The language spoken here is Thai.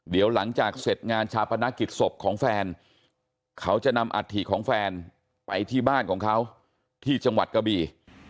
เดี๋ยวหลังจากเสร็จงานชาปนกิจศพของแฟนเขาจะนำอัฐิของแฟนไปที่บ้านของเขาที่จังหวัดกะบี